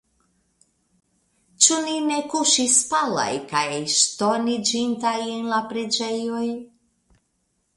Ĉu ni ne kuŝis palaj kaj ŝtoniĝintaj en la preĝejoj ?